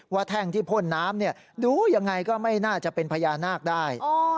แท่งที่พ่นน้ำดูยังไงก็ไม่น่าจะเป็นพญานาคได้